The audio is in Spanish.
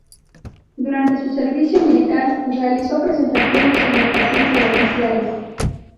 Durante su servicio militar, realizó presentaciones en el casino de oficiales.